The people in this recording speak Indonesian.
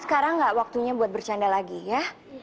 sekarang gak waktunya buat bercanda lagi ya